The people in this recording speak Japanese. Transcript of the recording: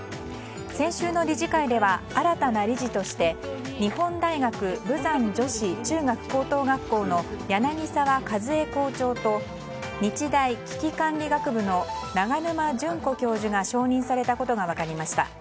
先週の理事会では新たな理事として日本大学豊山女子中学高等学校の柳澤一恵校長と日大危機管理学部の永沼淳子教授が承認されたことが分かりました。